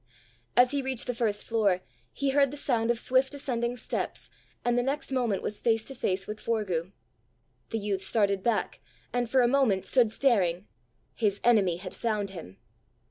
As he reached the first floor, he heard the sound of swift ascending steps, and the next moment was face to face with Forgue. The youth started back, and for a moment stood staring. His enemy had found him!